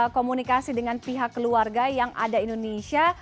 komunikasi dengan pihak keluarga yang ada indonesia